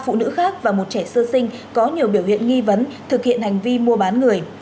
phụ nữ khác và một trẻ sơ sinh có nhiều biểu hiện nghi vấn thực hiện hành vi mua bán người